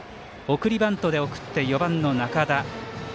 送りバントで送って４番の仲田。